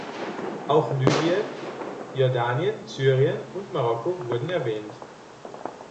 Auch Libyen, Jordanien, Syrien und Marokko wurden erwähnt.